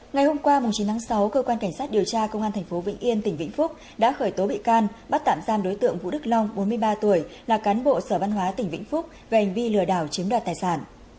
ngày hôm qua chín tháng sáu cơ quan cảnh sát điều tra công an tp vĩnh yên tỉnh vĩnh phúc đã khởi tố bị can bắt tạm giam đối tượng vũ đức long bốn mươi ba tuổi là cán bộ sở văn hóa tỉnh vĩnh phúc về hành vi lừa đảo chiếm đoạt tài sản